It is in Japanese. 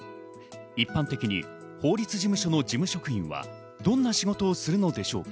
一般的に法律事務所の事務職員はどんな仕事をするのでしょうか。